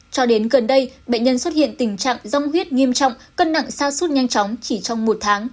cho đến gần đây bệnh nhân xuất hiện tình trạng rong huyết nghiêm trọng cân nặng xa suốt nhanh chóng chỉ trong một tháng